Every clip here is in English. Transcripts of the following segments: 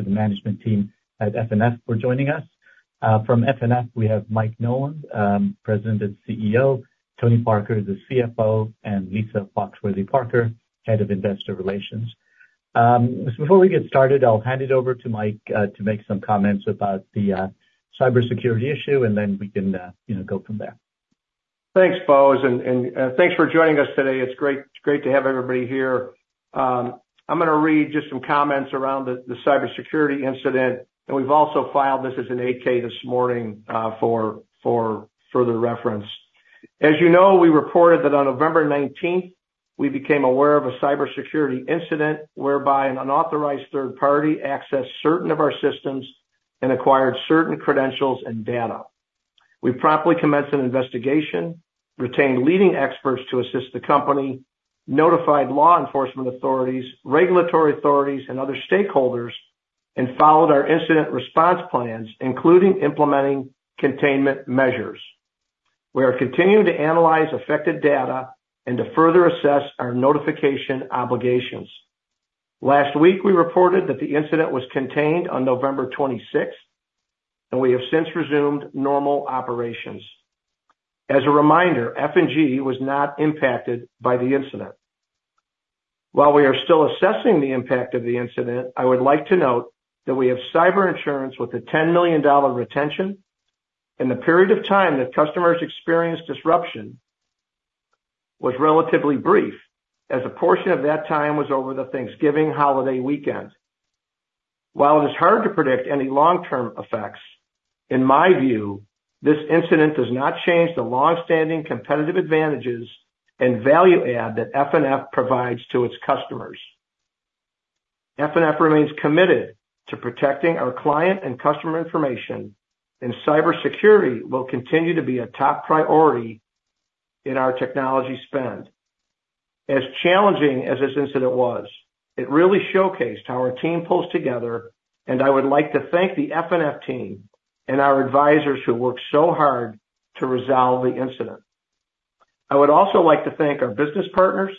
To the management team at FNF for joining us. From FNF, we have Mike Nolan, President and CEO, Tony Park is the CFO, and Lisa Foxworthy-Parker, Head of Investor Relations. Before we get started, I'll hand it over to Mike, to make some comments about the cybersecurity issue, and then we can, you know, go from there. Thanks, Bose. And thanks for joining us today. It's great, it's great to have everybody here. I'm gonna read just some comments around the cybersecurity incident, and we've also filed this as an 8-K this morning, for further reference. As you know, we reported that on November 19th, we became aware of a cybersecurity incident whereby an unauthorized third party accessed certain of our systems and acquired certain credentials and data. We promptly commenced an investigation, retained leading experts to assist the company, notified law enforcement authorities, regulatory authorities, and other stakeholders, and followed our incident response plans, including implementing containment measures. We are continuing to analyze affected data and to further assess our notification obligations. Last week, we reported that the incident was contained on November 26th, and we have since resumed normal operations. As a reminder, F&G was not impacted by the incident. While we are still assessing the impact of the incident, I would like to note that we have cyber insurance with a $10 million retention, and the period of time that customers experienced disruption was relatively brief, as a portion of that time was over the Thanksgiving holiday weekend. While it is hard to predict any long-term effects, in my view, this incident does not change the longstanding competitive advantages and value add that FNF provides to its customers. FNF remains committed to protecting our client and customer information, and cybersecurity will continue to be a top priority in our technology spend. As challenging as this incident was, it really showcased how our team pulls together, and I would like to thank the FNF team and our advisors who worked so hard to resolve the incident. I would also like to thank our business partners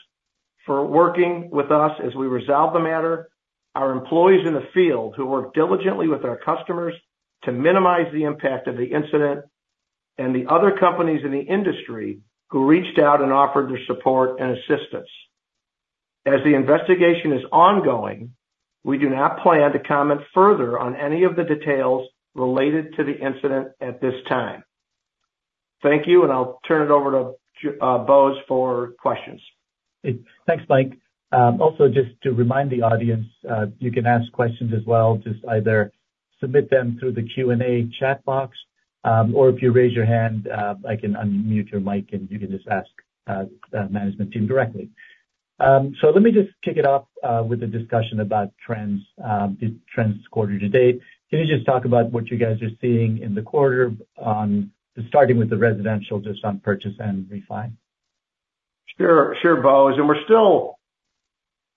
for working with us as we resolved the matter, our employees in the field, who worked diligently with our customers to minimize the impact of the incident, and the other companies in the industry who reached out and offered their support and assistance. As the investigation is ongoing, we do not plan to comment further on any of the details related to the incident at this time. Thank you, and I'll turn it over to Bose for questions. Thanks, Mike. Also, just to remind the audience, you can ask questions as well. Just either submit them through the Q&A chat box, or if you raise your hand, I can unmute your mic, and you can just ask the management team directly. So let me just kick it off with a discussion about trends quarter to date. Can you just talk about what you guys are seeing in the quarter on, starting with the residential, just on purchase and refi? Sure. Sure, Bose, and we're still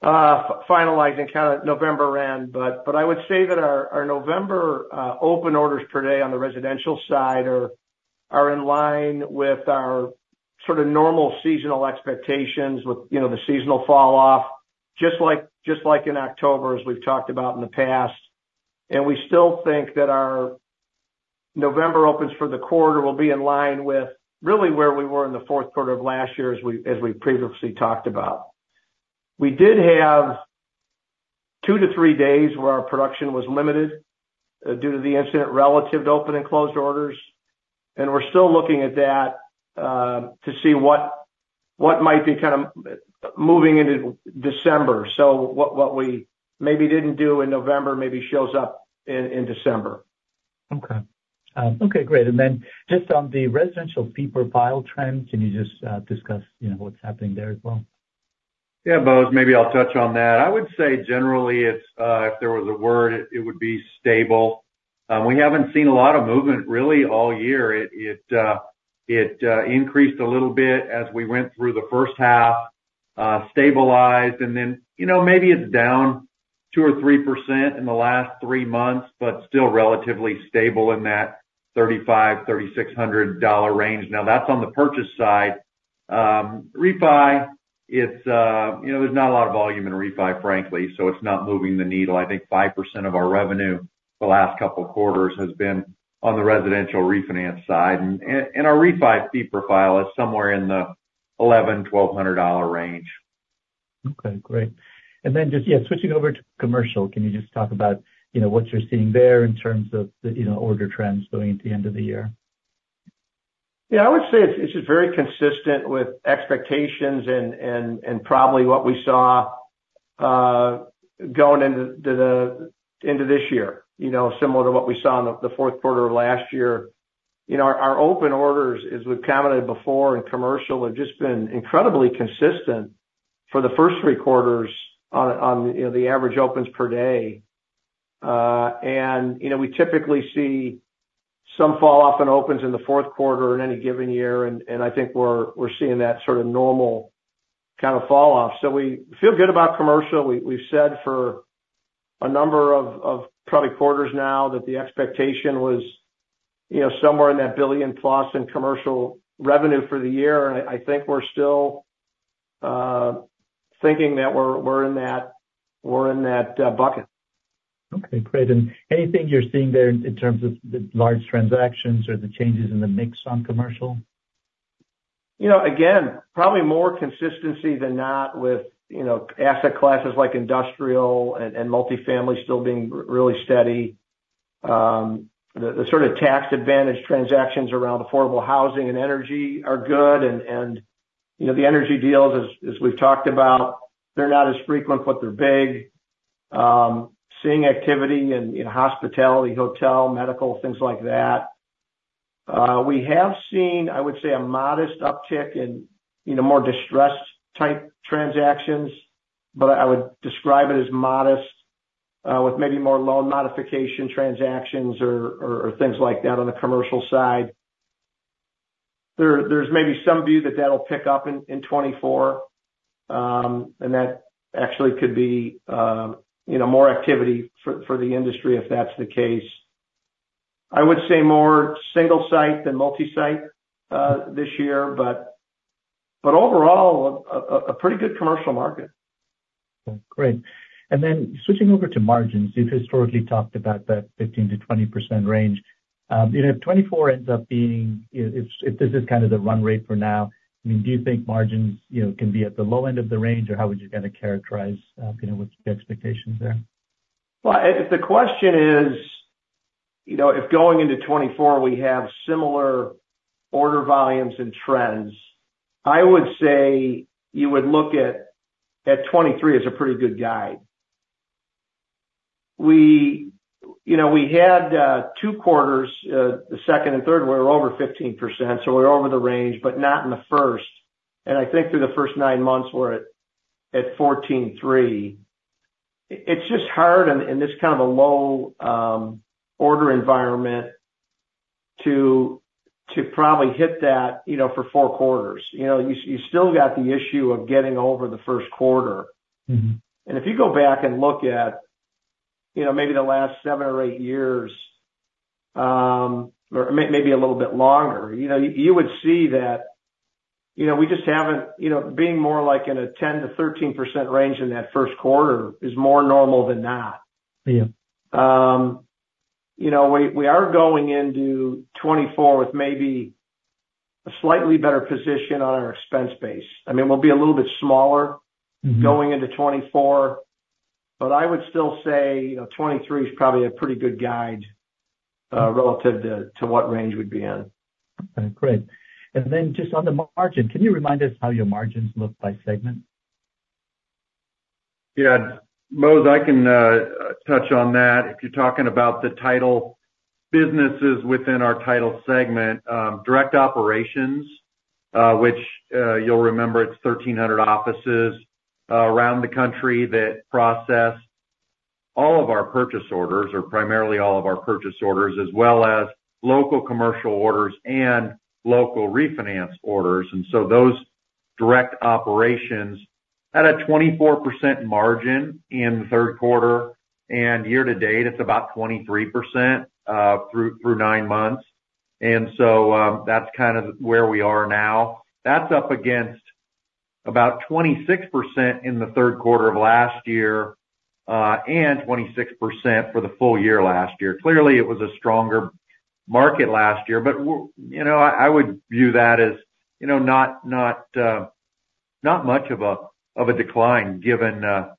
finalizing kind of November end, but, but I would say that our, our November open orders per day on the residential side are, are in line with our sort of normal seasonal expectations with, you know, the seasonal fall off, just like, just like in October, as we've talked about in the past. And we still think that our November opens for the quarter will be in line with really where we were in the fourth quarter of last year, as we, as we previously talked about. We did have two-three days where our production was limited, due to the incident relative to open and closed orders, and we're still looking at that, to see what, what might be kind of moving into December. So what we maybe didn't do in November, maybe shows up in December. Okay. Okay, great. And then just on the residential fee profile trends, can you just discuss, you know, what's happening there as well? Yeah, Bose, maybe I'll touch on that. I would say generally, it's if there was a word, it would be stable. We haven't seen a lot of movement really all year. It increased a little bit as we went through the first half, stabilized and then, you know, maybe it's down 2% or 3% in the last three months, but still relatively stable in that $3,500-$3,600 range. Now, that's on the purchase side. Refi, it's you know, there's not a lot of volume in refi, frankly, so it's not moving the needle. I think 5% of our revenue the last couple of quarters has been on the residential refinance side. And our refi fee profile is somewhere in the $1,100-$1,200 range. Okay, great. Then just, yeah, switching over to commercial, can you just talk about, you know, what you're seeing there in terms of the, you know, order trends going into the end of the year? Yeah, I would say it's just very consistent with expectations and probably what we saw going into this year, you know, similar to what we saw in the fourth quarter of last year. You know, our open orders, as we've commented before in commercial, have just been incredibly consistent for the first three quarters on the average opens per day. And, you know, we typically see some falloff in opens in the fourth quarter in any given year, and I think we're seeing that sort of normal kind of falloff. So we feel good about commercial. We've said for a number of probably quarters now that the expectation was, you know, somewhere in that $1 billionplus in commercial revenue for the year, and I think we're still thinking that we're in that bucket. Okay, great. And anything you're seeing there in terms of the large transactions or the changes in the mix on commercial? You know, again, probably more consistency than not with, you know, asset classes like industrial and multifamily still being really steady. The sort of tax advantage transactions around affordable housing and energy are good. And, you know, the energy deals, as we've talked about, they're not as frequent, but they're big. Seeing activity in hospitality, hotel, medical, things like that. We have seen, I would say, a modest uptick in, you know, more distressed-type transactions, but I would describe it as modest, with maybe more loan modification transactions or things like that on the commercial side. There's maybe some view that that'll pick up in 2024, and that actually could be, you know, more activity for the industry if that's the case. I would say more single site than multi-site, this year. But overall, pretty good commercial market. Okay, great. Then switching over to margins, you've historically talked about that 15%-20% range. You know, if 2024 ends up being, you know, if this is kind of the run rate for now, I mean, do you think margins, you know, can be at the low end of the range, or how would you kind of characterize, you know, what's the expectations there? Well, if the question is, you know, if going into 2024, we have similar order volumes and trends, I would say you would look at 2023 as a pretty good guide. We, you know, we had two quarters, the second and third, were over 15%, so we're over the range, but not in the first. And I think through the first nine months, we're at 14.3%. It's just hard in this kind of a low order environment to probably hit that, you know, for four quarters. You know, you still got the issue of getting over the first quarter. Mm-hmm. If you go back and look at, you know, maybe the last seven or eight years, or maybe a little bit longer, you know, you would see that, you know, we just haven't been, you know, more like in a 10%-13% range in that first quarter is more normal than not. Yeah. You know, we are going into 2024 with maybe a slightly better position on our expense base. I mean, we'll be a little bit smaller- Mm-hmm. going into 2024, but I would still say, you know, 2023 is probably a pretty good guide relative to what range we'd be in. Okay, great. And then just on the margin, can you remind us how your margins look by segment? Yeah, Bose, I can touch on that. If you're talking about the title businesses within our title segment, direct operations, which you'll remember, it's 1,300 offices around the country that process all of our purchase orders, or primarily all of our purchase orders, as well as local commercial orders and local refinance orders. And so those direct operations had a 24% margin in the third quarter, and year to date, it's about 23% through nine months. And so, that's kind of where we are now. That's up against about 26% in the third quarter of last year, and 26% for the full year last year. Clearly, it was a stronger market last year, but you know, I would view that as, you know, not, not, not much of a decline, given that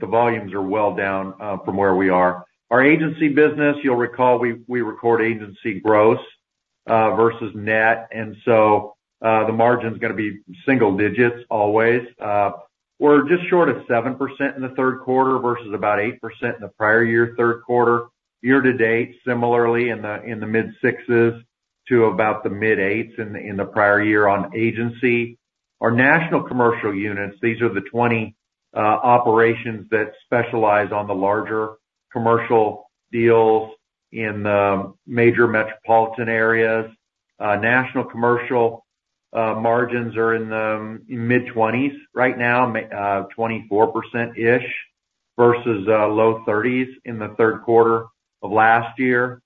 the volumes are well down from where we are. Our agency business, you'll recall, we record agency gross versus net, and so the margin's gonna be single digits always. We're just short of 7% in the third quarter versus about 8% in the prior year, third quarter. Year-to-date, similarly in the mid-6s to about the mid-8s in the prior year on agency. Our national commercial units, these are the 20 operations that specialize on the larger commercial deals in the major metropolitan areas. National commercial margins are in the mid-20s right now, 24% versus low 30s in the third quarter of last year.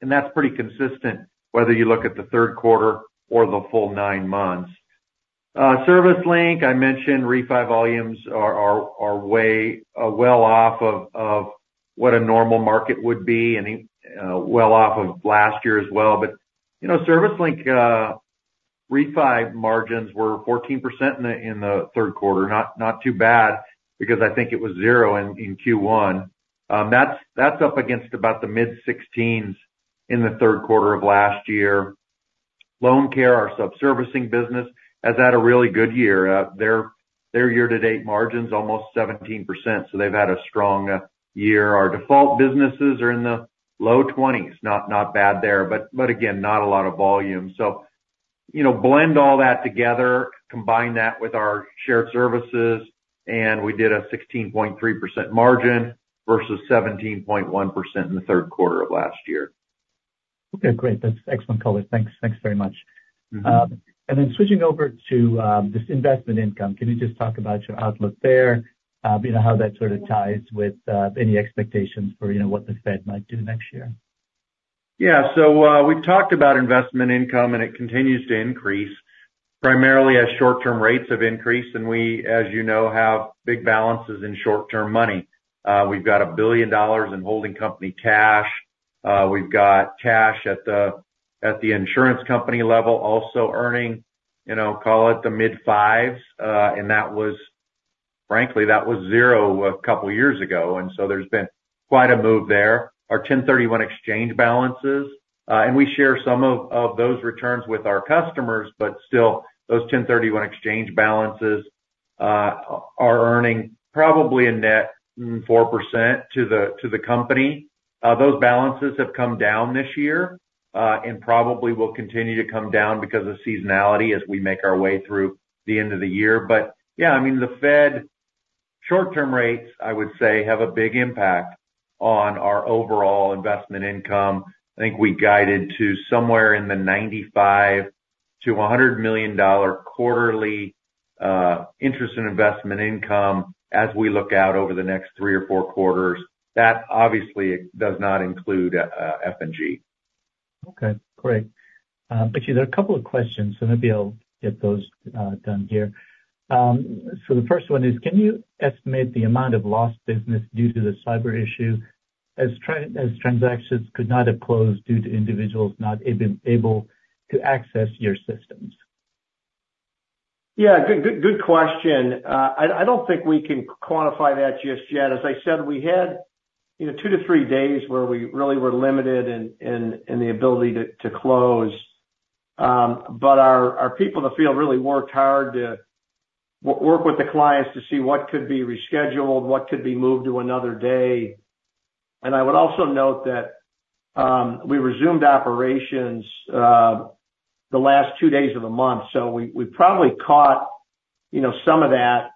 And that's pretty consistent, whether you look at the third quarter or the full nine months. ServiceLink, I mentioned refi volumes are way well off of what a normal market would be, and well off of last year as well. But you know, ServiceLink refi margins were 14% in the third quarter. Not too bad, because I think it was 0% in Q1. That's up against about the mid-16s in the third quarter of last year. LoanCare, our sub-servicing business, has had a really good year. Their year-to-date margin's almost 17%, so they've had a strong year. Our default businesses are in the low 20s. Not bad there, but again, not a lot of volume. So, you know, blend all that together, combine that with our shared services, and we did a 16.3% margin versus 17.1% in the third quarter of last year. Okay, great. That's excellent color. Thanks. Thanks very much. Mm-hmm. And then switching over to this investment income, can you just talk about your outlook there? You know, how that sort of ties with any expectations for, you know, what the Fed might do next year? Yeah, so, we've talked about investment income, and it continues to increase, primarily as short-term rates have increased, and we, as you know, have big balances in short-term money. We've got $1 billion in holding company cash. We've got cash at the insurance company level, also earning, you know, call it the mid-5s, and that was, frankly, that was zero a couple years ago, and so there's been quite a move there. Our 1031 exchange balances, and we share some of those returns with our customers, but still, those 1031 exchange balances are earning probably a net 4% to the company. Those balances have come down this year, and probably will continue to come down because of seasonality as we make our way through the end of the year. But yeah, I mean, the Fed short-term rates, I would say, have a big impact on our overall investment income. I think we guided to somewhere in the $95 million-$100 million quarterly interest in investment income as we look out over the next three or four quarters. That obviously does not include, F&G. Okay, great. Actually, there are a couple of questions, so maybe I'll get those done here. So the first one is: Can you estimate the amount of lost business due to the cyber issue as transactions could not have closed due to individuals not able to access your systems? Yeah, good, good, good question. I don't think we can quantify that just yet. As I said, we had, you know, two-three days where we really were limited in the ability to close. But our people in the field really worked hard to work with the clients to see what could be rescheduled, what could be moved to another day. And I would also note that we resumed operations the last two days of the month, so we probably caught, you know, some of that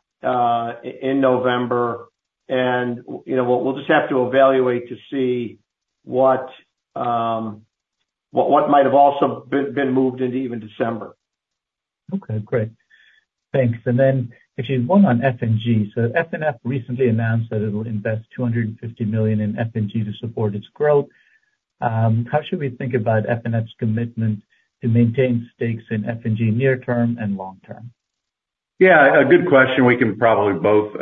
in November, and, you know, we'll just have to evaluate to see what might have also been moved into even December. Okay, great. Thanks. And then actually one on F&G. So FNF recently announced that it'll invest $250 million in F&G to support its growth. How should we think about FNF's commitment to maintain stakes in F&G near term and long term? Yeah, a good question. We can probably both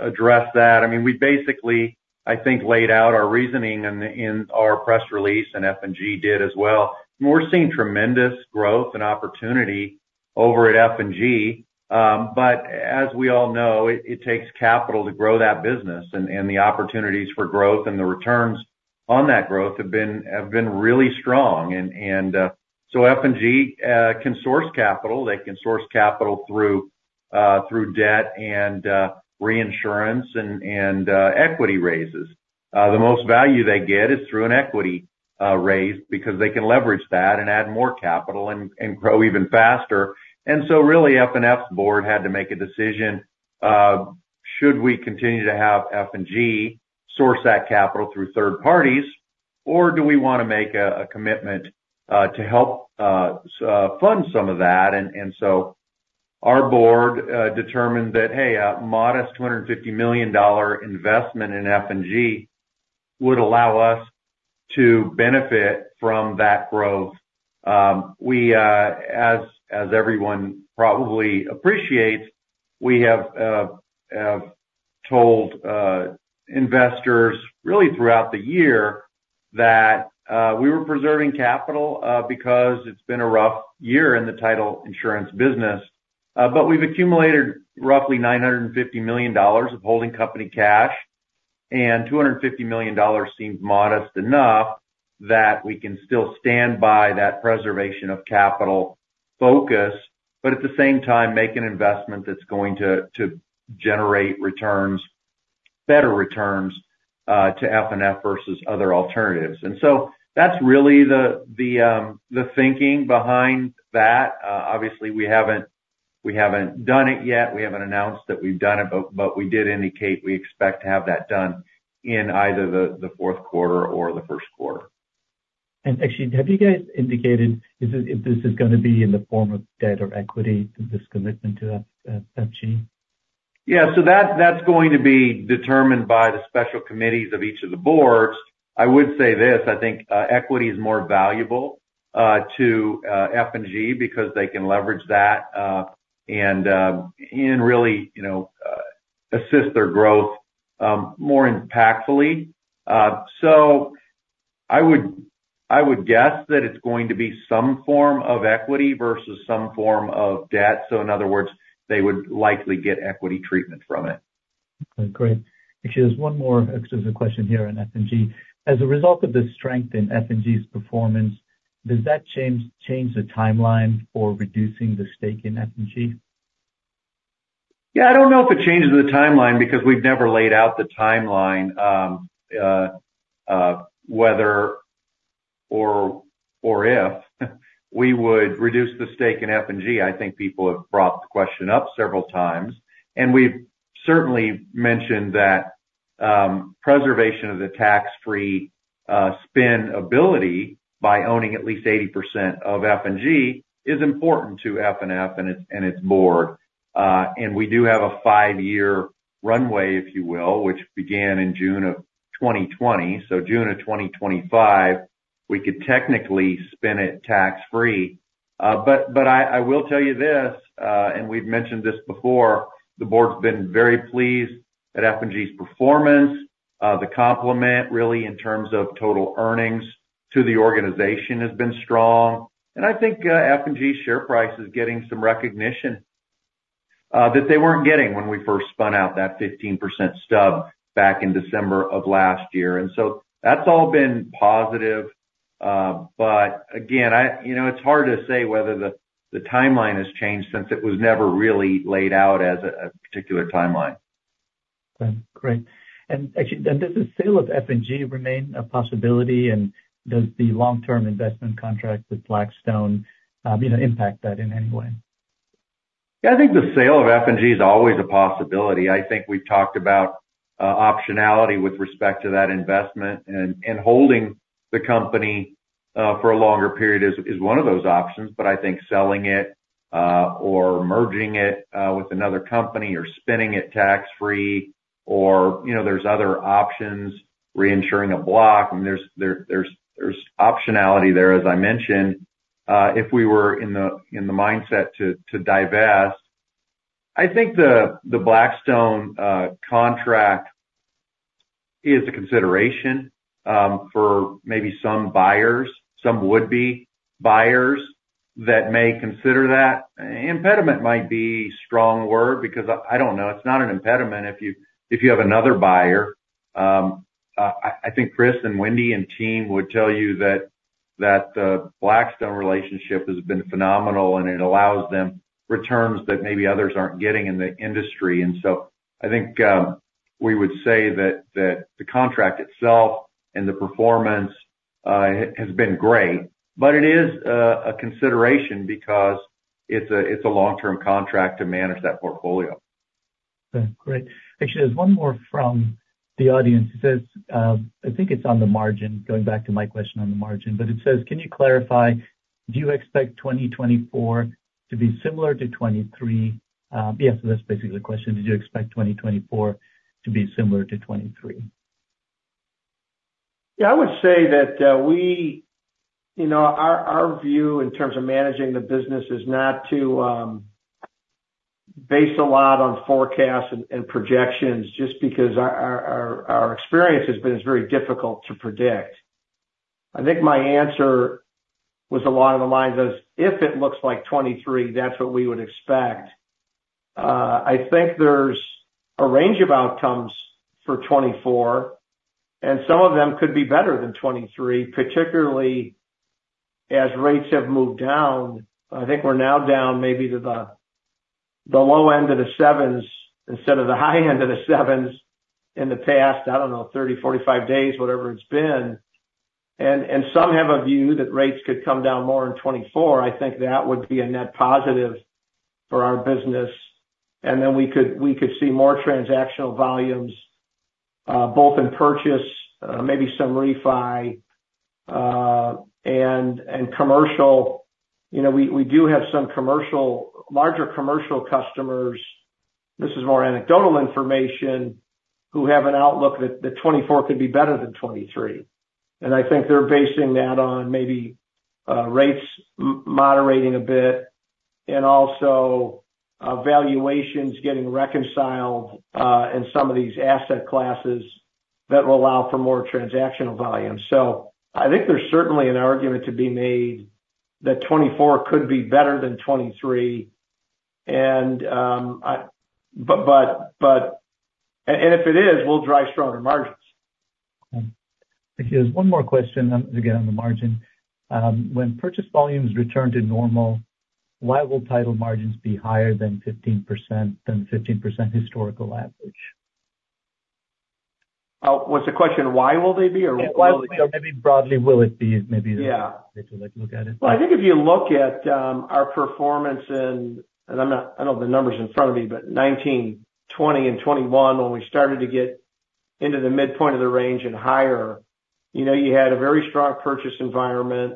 address that. I mean, we basically, I think, laid out our reasoning in our press release, and F&G did as well. And we're seeing tremendous growth and opportunity over at F&G. But as we all know, it takes capital to grow that business, and the opportunities for growth and the returns on that growth have been really strong. And so F&G can source capital. They can source capital through debt and reinsurance and equity raises. The most value they get is through an equity raise, because they can leverage that and add more capital and grow even faster. And so really, FNF's board had to make a decision, should we continue to have F&G source that capital through third parties, or do we wanna make a commitment to help fund some of that? And so our board determined that, hey, a modest $250 million investment in F&G would allow us to benefit from that growth. As everyone probably appreciates, we have told investors really throughout the year that we were preserving capital because it's been a rough year in the title insurance business. But we've accumulated roughly $950 million of holding company cash, and $250 million seems modest enough that we can still stand by that preservation of capital focus, but at the same time, make an investment that's going to generate returns, better returns, to FNF versus other alternatives. And so that's really the thinking behind that. Obviously, we haven't done it yet. We haven't announced that we've done it, but we did indicate we expect to have that done in either the fourth quarter or the first quarter. And actually, have you guys indicated if this, if this is gonna be in the form of debt or equity, this commitment to F&G? Yeah. So that's, that's going to be determined by the special committees of each of the boards. I would say this, I think, equity is more valuable, to, F&G because they can leverage that, and, and really, you know, assist their growth, more impactfully. So I would, I would guess that it's going to be some form of equity versus some form of debt. So in other words, they would likely get equity treatment from it. Okay, great. Actually, there's one more extra question here on F&G: As a result of the strength in F&G's performance, does that change the timeline for reducing the stake in F&G? Yeah, I don't know if it changes the timeline, because we've never laid out the timeline. Whether or if we would reduce the stake in F&G, I think people have brought the question up several times. We've certainly mentioned that preservation of the tax-free spin ability by owning at least 80% of F&G is important to FNF and its board. And we do have a five-year runway, if you will, which began in June of 2020. So June of 2025, we could technically spin it tax-free. But I will tell you this, and we've mentioned this before, the board's been very pleased at F&G's performance. The complement, really, in terms of total earnings to the organization has been strong. And I think, F&G's share price is getting some recognition that they weren't getting when we first spun out that 15% stub back in December of last year. And so that's all been positive. But again, you know, it's hard to say whether the timeline has changed since it was never really laid out as a particular timeline. Okay, great. And actually, then does the sale of F&G remain a possibility, and does the long-term investment contract with Blackstone, you know, impact that in any way? Yeah, I think the sale of F&G is always a possibility. I think we've talked about optionality with respect to that investment, and holding the company for a longer period is one of those options. But I think selling it or merging it with another company, or spinning it tax-free or, you know, there's other options, reinsuring a block, and there's optionality there, as I mentioned, if we were in the mindset to divest. I think the Blackstone contract is a consideration for maybe some buyers, some would-be buyers that may consider that. Impediment might be a strong word because I don't know, it's not an impediment if you have another buyer. I think Chris and Wendy, and team would tell you that the Blackstone relationship has been phenomenal, and it allows them returns that maybe others aren't getting in the industry. And so I think we would say that the contract itself and the performance has been great. But it is a consideration because it's a long-term contract to manage that portfolio. Okay, great. Actually, there's one more from the audience. It says, I think it's on the margin, going back to my question on the margin, but it says: Can you clarify, do you expect 2024 to be similar to 2023? Yeah, so that's basically the question: Do you expect 2024 to be similar to 2023? Yeah, I would say that, we... You know, our view in terms of managing the business is not to base a lot on forecasts and projections just because our experience has been it's very difficult to predict. I think my answer was along the lines of, if it looks like 2023, that's what we would expect. I think there's a range of outcomes for 2024, and some of them could be better than 2023, particularly as rates have moved down. I think we're now down maybe to the low end of the sevens instead of the high end of the sevens in the past, I don't know, 30, 45 days, whatever it's been. And some have a view that rates could come down more in 2024. I think that would be a net positive for our business. And then we could, we could see more transactional volumes, both in purchase, maybe some refi, and, and commercial. You know, we, we do have some commercial, larger commercial customers, this is more anecdotal information, who have an outlook that, that 2024 could be better than 2023. And I think they're basing that on maybe, rates moderating a bit, and also, valuations getting reconciled, in some of these asset classes that will allow for more transactional volume. So I think there's certainly an argument to be made that 2024 could be better than 2023. And, I—but, but, but... And, and if it is, we'll drive stronger margins. Okay. Thank you. There's one more question, again, on the margin. When purchase volumes return to normal, why will title margins be higher than 15%, than the 15% historical average? Was the question why will they be or will they be? Yeah, why will they, or maybe broadly, will it be, maybe- Yeah. If you like, look at it. Well, I think if you look at our performance in 2019, 2020, and 2021, when we started to get into the midpoint of the range and higher, you know, you had a very strong purchase environment,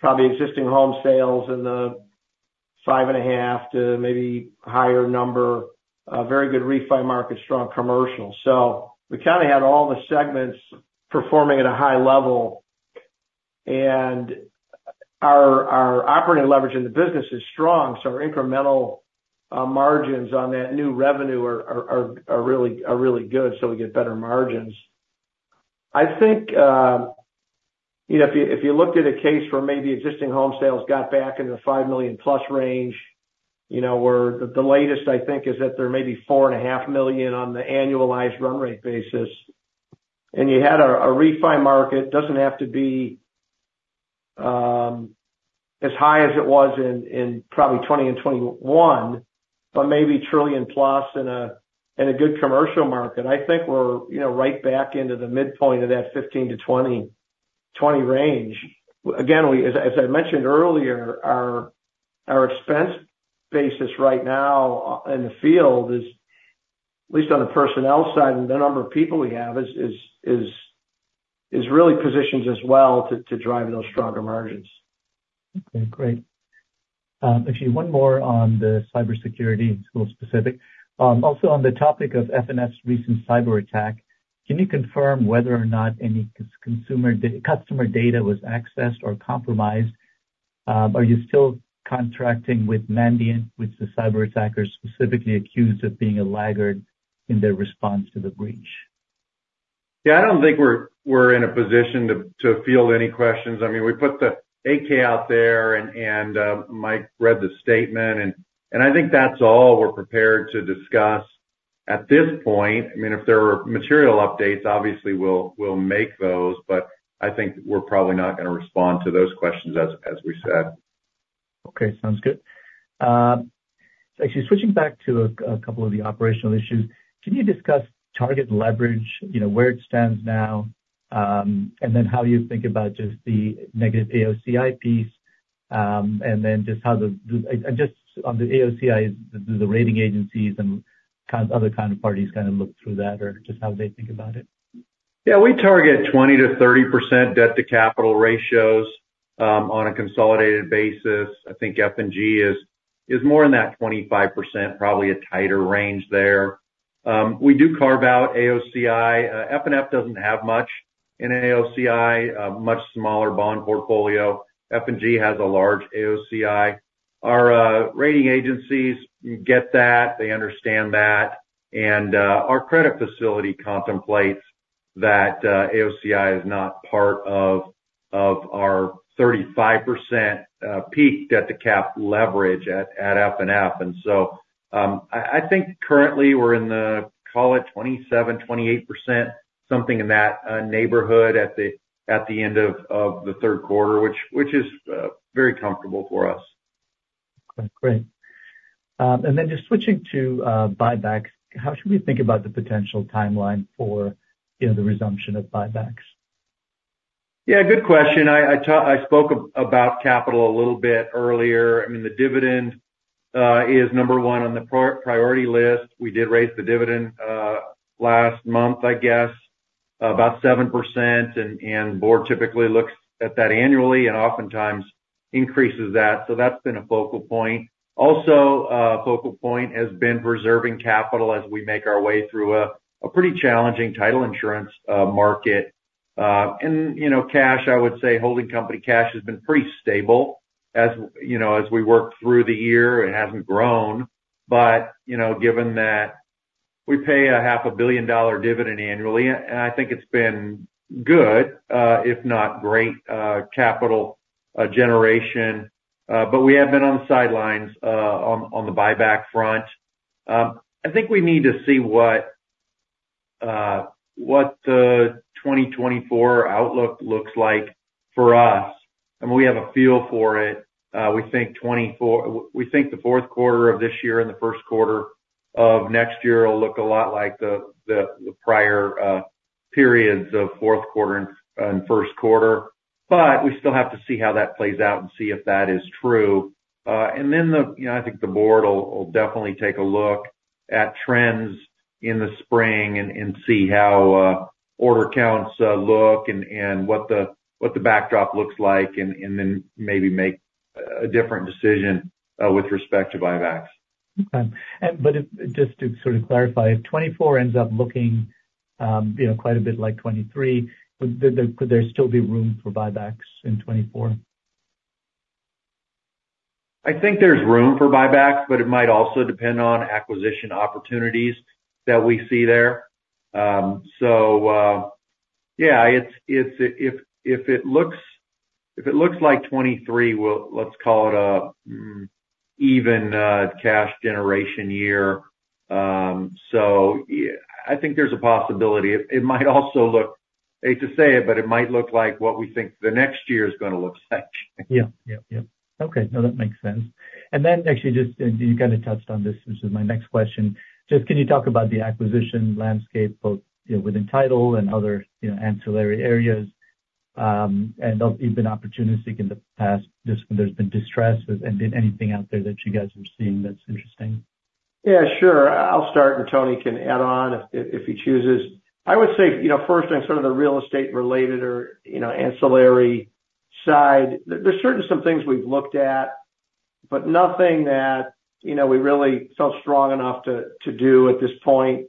probably existing home sales in the 5.5 to maybe higher number, a very good refi market, strong commercial. So we kind of had all the segments performing at a high level. And our operating leverage in the business is strong, so our incremental margins on that new revenue are really good, so we get better margins. I think, you know, if you, if you looked at a case where maybe existing home sales got back in the 5 million plus range, you know, where the, the latest, I think, is that they're maybe 4.5 million on the annualized run rate basis, and you had a, a refi market, doesn't have to be, as high as it was in, in probably 2020 and 2021, but maybe $1 trillion plus in a, in a good commercial market, I think we're, you know, right back into the midpoint of that 15 to 20, 20 range. Again, as I, as I mentioned earlier, our, our expense basis right now in the field is, at least on the personnel side and the number of people we have, really positioned as well to, to drive those stronger margins. Okay, great. Actually, one more on the cybersecurity, it's a little specific. Also on the topic of FNF's recent cyberattack, can you confirm whether or not any customer data was accessed or compromised? Are you still contracting with Mandiant, which the cyberattackers specifically accused of being a laggard in their response to the breach? Yeah, I don't think we're in a position to field any questions. I mean, we put the 8-K out there and Mike read the statement, and I think that's all we're prepared to discuss at this point. I mean, if there are material updates, obviously, we'll make those, but I think we're probably not gonna respond to those questions, as we said. Okay, sounds good. Actually, switching back to a couple of the operational issues, can you discuss target leverage, you know, where it stands now, and then how you think about just the negative AOCI piece? And then just how the, and just on the AOCI, do the rating agencies and kind, other kind of parties kind of look through that, or just how they think about it? Yeah, we target 20%-30% debt-to-capital ratios on a consolidated basis. I think F&G is more in that 25%, probably a tighter range there. We do carve out AOCI. FNF doesn't have much in AOCI, a much smaller bond portfolio. F&G has a large AOCI. Our rating agencies get that. They understand that. And our credit facility contemplates that AOCI is not part of our 35% peak debt to cap leverage at FNF. And so I think currently we're in the call it 27%-28%, something in that neighborhood at the end of the third quarter, which is very comfortable for us. Okay, great. And then just switching to buybacks, how should we think about the potential timeline for, you know, the resumption of buybacks? Yeah, good question. I spoke about capital a little bit earlier. I mean, the dividend is number one on the priority list. We did raise the dividend last month, I guess, about 7%. And board typically looks at that annually, and oftentimes increases that. So that's been a focal point. Also, a focal point has been preserving capital as we make our way through a pretty challenging title insurance market. And, you know, cash, I would say, holding company cash has been pretty stable. As you know, as we work through the year, it hasn't grown. But you know, given that we pay a $500 million dividend annually, and I think it's been good, if not great, capital generation. But we have been on the sidelines on the buyback front. I think we need to see what the 2024 outlook looks like for us, and we have a feel for it. We think the fourth quarter of this year and the first quarter of next year will look a lot like the prior periods of fourth quarter and first quarter. But we still have to see how that plays out and see if that is true. And then, you know, I think the board will definitely take a look at trends in the spring and see how order counts look and what the backdrop looks like, and then maybe make a different decision with respect to buybacks. Okay. Just to sort of clarify, if 2024 ends up looking, you know, quite a bit like 2023, would there, could there still be room for buybacks in 2024? I think there's room for buybacks, but it might also depend on acquisition opportunities that we see there. So, yeah, it's if it looks like 2023, we'll let's call it an even cash generation year. So I think there's a possibility. It might also look, I hate to say it, but it might look like what we think the next year is gonna look like. Yeah. Yep, yep. Okay. No, that makes sense. And then actually, just, and you kind of touched on this, which is my next question. Just, can you talk about the acquisition landscape, both, you know, within title and other, you know, ancillary areas, and even opportunistic in the past, just when there's been distress, and then anything out there that you guys have seen that's interesting? Yeah, sure. I'll start, and Tony can add on if he chooses. I would say, you know, first, on sort of the real estate-related or, you know, ancillary side, there's certainly some things we've looked at, but nothing that, you know, we really felt strong enough to do at this point.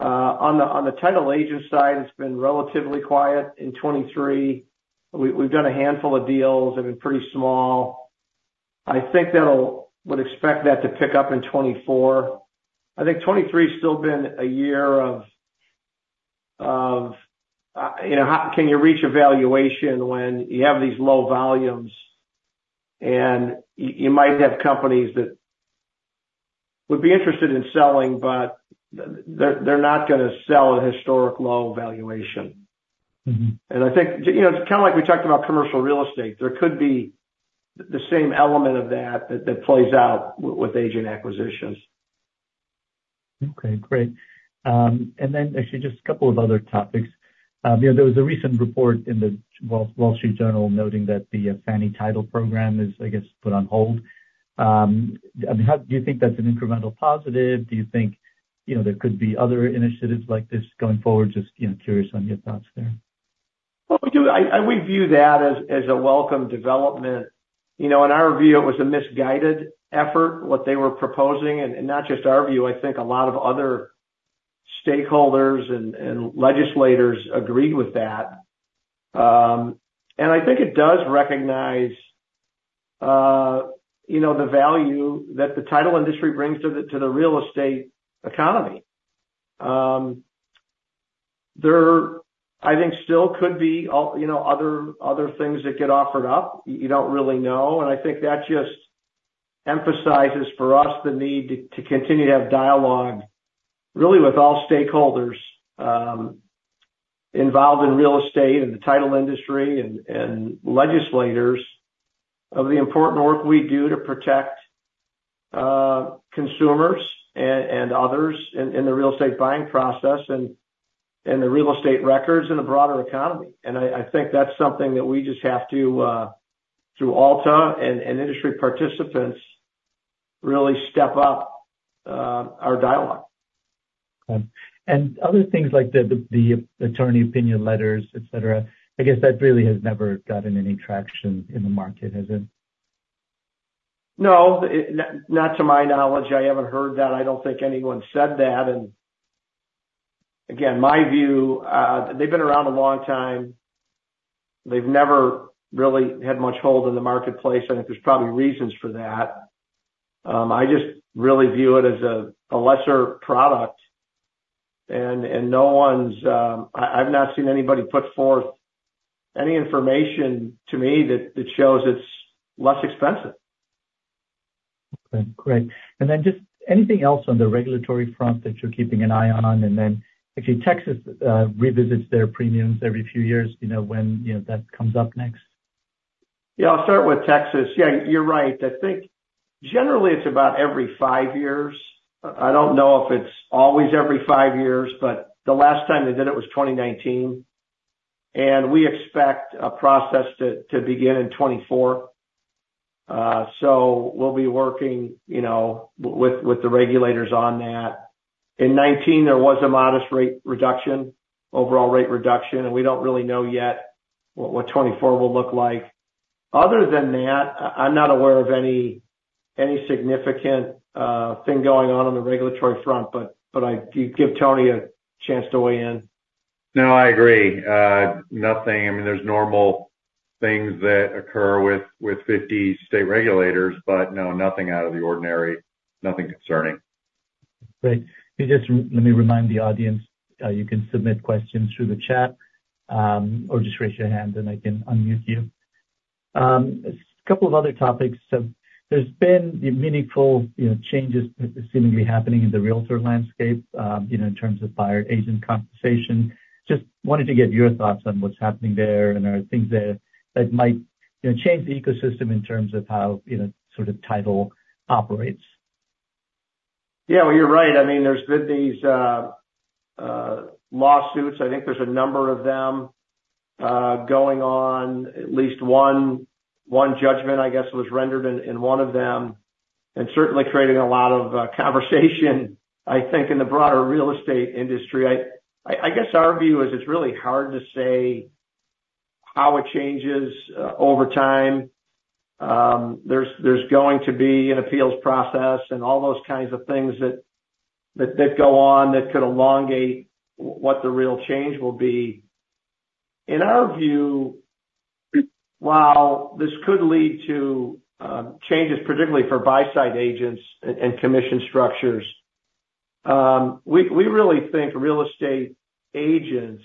On the title agent side, it's been relatively quiet in 2023. We've done a handful of deals, they've been pretty small. I think that'll. I would expect that to pick up in 2024. I think 2023's still been a year of, you know, how can you reach a valuation when you have these low volumes? And you might have companies that would be interested in selling, but they're not gonna sell at a historic low valuation. Mm-hmm. I think, you know, it's kind of like we talked about commercial real estate. There could be the same element of that that plays out with agent acquisitions. Okay, great. Actually just a couple of other topics. You know, there was a recent report in the Wall Street Journal noting that the Fannie Mae title program is, I guess, put on hold. I mean, how do you think that's an incremental positive? Do you think, you know, there could be other initiatives like this going forward? Just, you know, curious on your thoughts there.... Well, we do, and we view that as a welcome development. You know, in our view, it was a misguided effort, what they were proposing, and not just our view, I think a lot of other stakeholders and legislators agreed with that. And I think it does recognize, you know, the value that the title industry brings to the real estate economy. There, I think, still could be, you know, other things that get offered up. You don't really know, and I think that just emphasizes for us the need to continue to have dialogue really with all stakeholders involved in real estate and the title industry and legislators of the important work we do to protect consumers and others in the real estate buying process, and the real estate records and the broader economy. I think that's something that we just have to through ALTA and industry participants really step up our dialogue. Okay. And other things like the attorney opinion letters, et cetera, I guess that really has never gotten any traction in the market, has it? No, not to my knowledge. I haven't heard that. I don't think anyone said that. And again, my view, they've been around a long time. They've never really had much hold in the marketplace, and I think there's probably reasons for that. I just really view it as a lesser product, and no one's... I've not seen anybody put forth any information to me that shows it's less expensive. Okay, great. And then just anything else on the regulatory front that you're keeping an eye on? And then actually, Texas revisits their premiums every few years, you know, when, you know, that comes up next. Yeah, I'll start with Texas. Yeah, you're right. I think generally it's about every five years. I don't know if it's always every five years, but the last time they did it was 2019, and we expect a process to begin in 2024. So we'll be working, you know, with the regulators on that. In 2019, there was a modest rate reduction, overall rate reduction, and we don't really know yet what 2024 will look like. Other than that, I'm not aware of any significant thing going on on the regulatory front, but I do give Tony a chance to weigh in. No, I agree. Nothing... I mean, there's normal things that occur with 50 state regulators, but no, nothing out of the ordinary, nothing concerning. Great. Let me just remind the audience, you can submit questions through the chat, or just raise your hand, and I can unmute you. A couple of other topics. So there's been meaningful, you know, changes seemingly happening in the realtor landscape, you know, in terms of buyer-agent compensation. Just wanted to get your thoughts on what's happening there, and are there things there that might, you know, change the ecosystem in terms of how, you know, sort of title operates? Yeah, well, you're right. I mean, there's been these lawsuits. I think there's a number of them going on. At least one judgment, I guess, was rendered in one of them, and certainly creating a lot of conversation, I think, in the broader real estate industry. I guess our view is it's really hard to say how it changes over time. There's going to be an appeals process and all those kinds of things that go on that could elongate what the real change will be. In our view, while this could lead to changes, particularly for buy side agents and commission structures, we really think real estate agents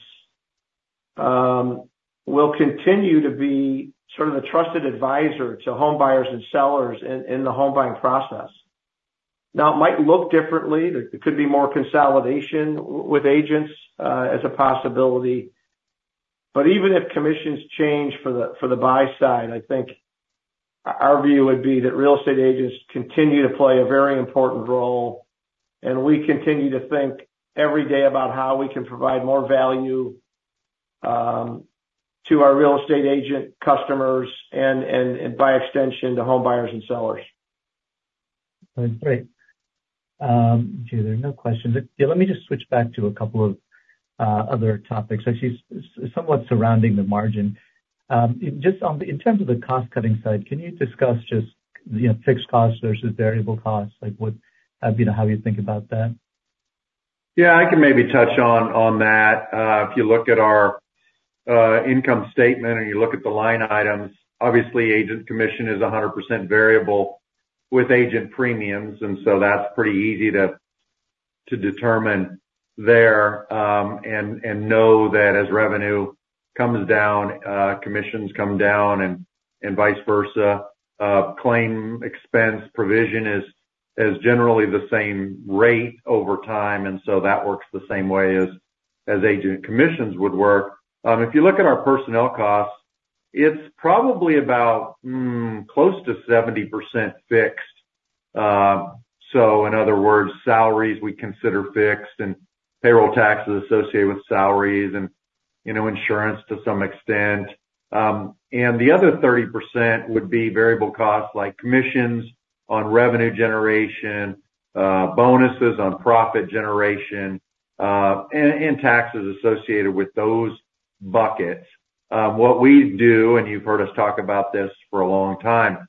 will continue to be sort of the trusted advisor to home buyers and sellers in the home buying process. Now, it might look differently. There could be more consolidation with agents as a possibility, but even if commissions change for the buy side, I think our view would be that real estate agents continue to play a very important role, and we continue to think every day about how we can provide more value to our real estate agent customers, and by extension, to home buyers and sellers. Great. Okay, there are no questions. Yeah, let me just switch back to a couple of other topics, actually somewhat surrounding the margin. Just on in terms of the cost-cutting side, can you discuss just, you know, fixed costs versus variable costs? Like what, you know, how you think about that. Yeah, I can maybe touch on that. If you look at our income statement or you look at the line items, obviously, agent commission is 100% variable with agent premiums, and so that's pretty easy to determine there, and know that as revenue comes down, commissions come down and vice versa. Claim expense provision is generally the same rate over time, and so that works the same way as agent commissions would work. If you look at our personnel costs, it's probably about close to 70% fixed. So in other words, salaries we consider fixed, and payroll taxes associated with salaries, and, you know, insurance to some extent. And the other 30% would be variable costs, like commissions on revenue generation-... bonuses on profit generation, and taxes associated with those buckets. What we do, and you've heard us talk about this for a long time,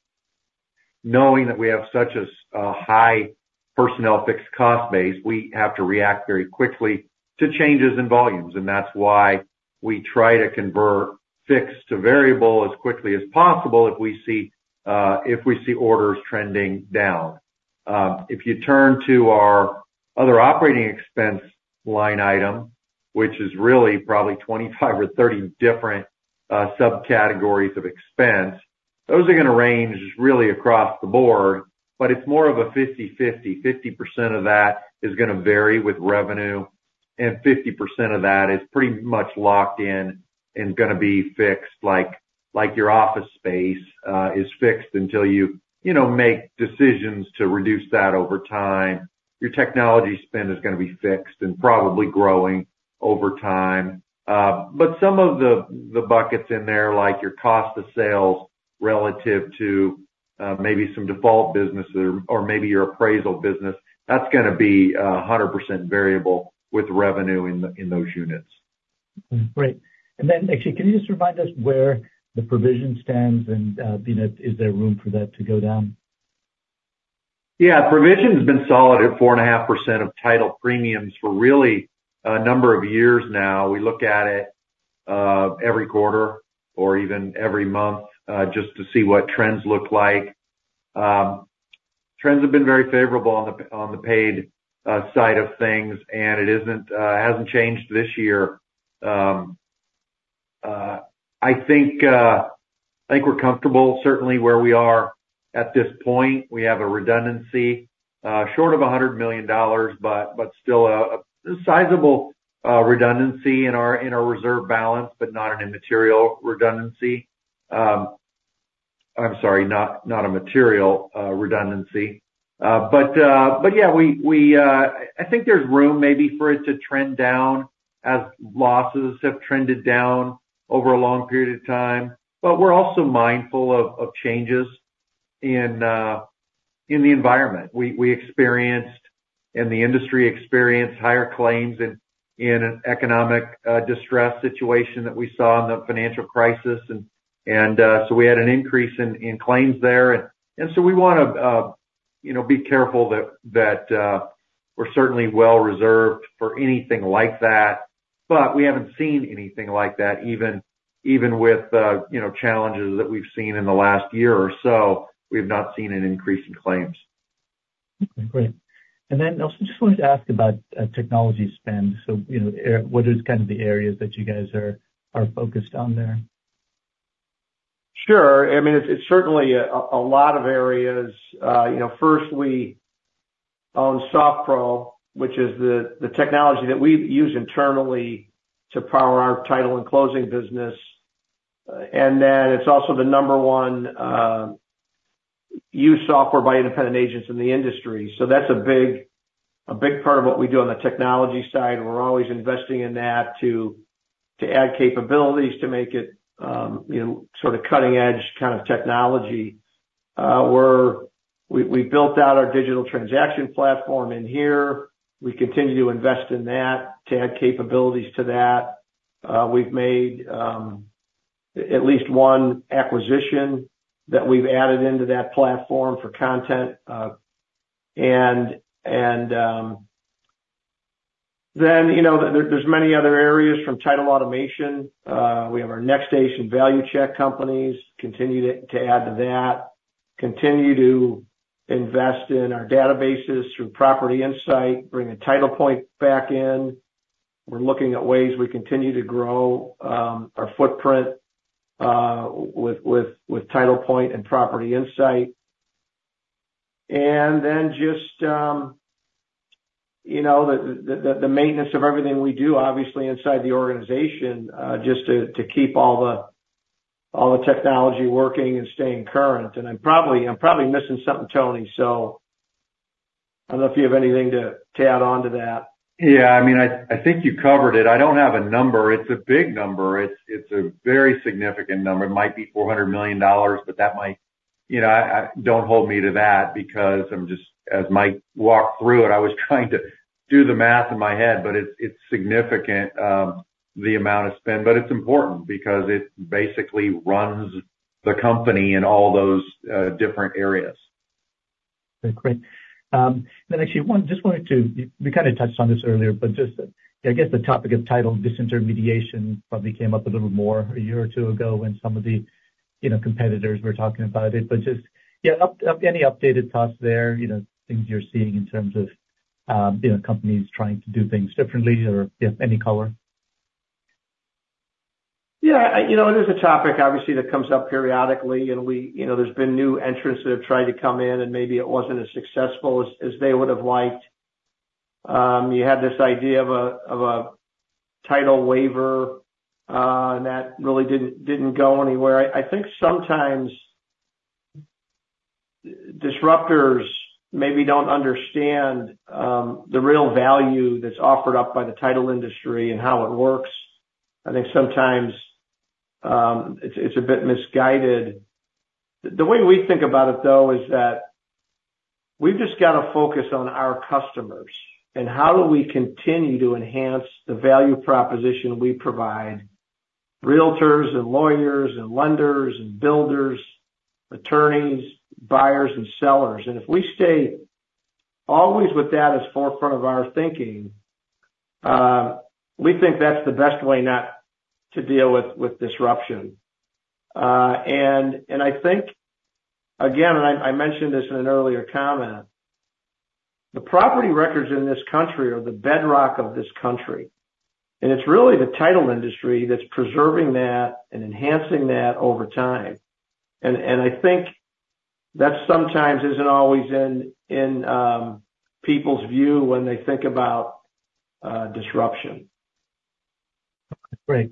knowing that we have such a high personnel fixed cost base, we have to react very quickly to changes in volumes. And that's why we try to convert fixed to variable as quickly as possible if we see, if we see orders trending down. If you turn to our other operating expense line item, which is really probably 25 or 30 different subcategories of expense, those are gonna range really across the board, but it's more of a 50/50. 50% of that is gonna vary with revenue, and 50% of that is pretty much locked in and gonna be fixed, like your office space is fixed until you, you know, make decisions to reduce that over time. Your technology spend is gonna be fixed and probably growing over time. But some of the buckets in there, like your cost of sales relative to maybe some default business or maybe your appraisal business, that's gonna be 100% variable with revenue in those units. Great. And then actually, can you just remind us where the provision stands and, you know, is there room for that to go down? Yeah. Provision's been solid at 4.5% of title premiums for really a number of years now. We look at it every quarter or even every month just to see what trends look like. Trends have been very favorable on the paid side of things, and it isn't, it hasn't changed this year. I think we're comfortable certainly where we are at this point. We have a redundancy short of $100 million, but still a sizable redundancy in our reserve balance, but not an immaterial redundancy. I'm sorry, not a material redundancy. But yeah, we I think there's room maybe for it to trend down as losses have trended down over a long period of time. But we're also mindful of changes in the environment. We experienced, and the industry experienced, higher claims in an economic distress situation that we saw in the financial crisis. And so we had an increase in claims there. And so we wanna, you know, be careful that we're certainly well reserved for anything like that. But we haven't seen anything like that, even with, you know, challenges that we've seen in the last year or so, we've not seen an increase in claims. Great. And then also, I just wanted to ask about technology spend. So, you know, what is kind of the areas that you guys are focused on there? Sure. I mean, it's certainly a lot of areas. You know, first, we own SoftPro, which is the technology that we use internally to power our title and closing business. And then it's also the number one used software by independent agents in the industry. So that's a big part of what we do on the technology side, and we're always investing in that to add capabilities, to make it, you know, sort of cutting-edge kind of technology. We built out our digital transaction platform inHere. We continue to invest in that, to add capabilities to that. We've made at least one acquisition that we've added into that platform for content. And then, you know, there are many other areas from title automation. We have our NextAce ValueCheck companies continue to add to that. Continue to invest in our databases through Property Insight, bringing TitlePoint back in. We're looking at ways we continue to grow our footprint with TitlePoint and Property Insight. And then just, you know, the maintenance of everything we do, obviously inside the organization, just to keep all the technology working and staying current. And I'm probably, I'm probably missing something, Tony, so I don't know if you have anything to add on to that. Yeah. I mean, I, I think you covered it. I don't have a number. It's a big number. It's, it's a very significant number. It might be $400 million, but that might... You know, I, I-- don't hold me to that because I'm just... As Mike walked through it, I was trying to do the math in my head, but it's, it's significant, the amount of spend. But it's important because it basically runs the company in all those different areas. Okay, great. Then actually, one, just wanted to... You, you kind of touched on this earlier, but just, I guess, the topic of title disintermediation probably came up a little more a year or two ago when some of the, you know, competitors were talking about it. But just, yeah, any updated thoughts there, you know, things you're seeing in terms of, you know, companies trying to do things differently or, yeah, any color? Yeah, you know, it is a topic, obviously, that comes up periodically, and we—you know, there's been new entrants that have tried to come in, and maybe it wasn't as successful as they would have liked. You had this idea of a title waiver, and that really didn't go anywhere. I think sometimes disruptors maybe don't understand the real value that's offered up by the title industry and how it works. I think sometimes, it's a bit misguided. The way we think about it, though, is that we've just got to focus on our customers and how do we continue to enhance the value proposition we provide Realtors and lawyers and lenders and builders, attorneys, buyers, and sellers. If we stay always with that as forefront of our thinking, we think that's the best way not to deal with disruption. I think, again, I mentioned this in an earlier comment, the property records in this country are the bedrock of this country, and it's really the title industry that's preserving that and enhancing that over time. I think that sometimes isn't always in people's view when they think about disruption. Great.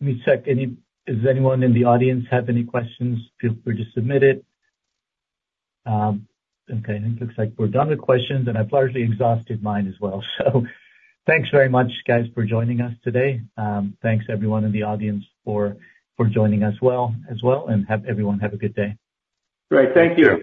Let me check. Does anyone in the audience have any questions? Feel free to submit it. Okay, I think looks like we're done with questions, and I've largely exhausted mine as well. So thanks very much, guys, for joining us today. Thanks everyone in the audience for joining as well, and have everyone have a good day. Great. Thank you.